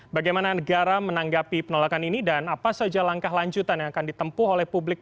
bagaimana negara menanggapi penolakan ini dan apa saja langkah lanjutan yang akan ditempuh oleh publik